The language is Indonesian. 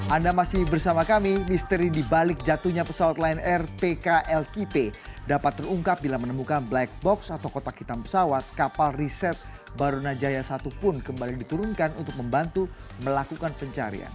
anda masih bersama kami misteri dibalik jatuhnya pesawat lion air pklkp dapat terungkap bila menemukan black box atau kotak hitam pesawat kapal riset barunajaya satu pun kembali diturunkan untuk membantu melakukan pencarian